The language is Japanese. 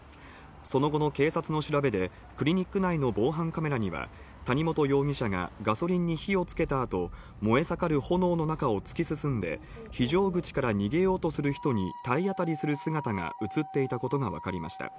その後の警察の調べでクリニック内の防犯カメラには、谷本容疑者がガソリンに火をつけた後、燃え盛る炎の中を突き進んで、非常口から逃げようとする人に体あたりする姿が映っていたことがわかりました。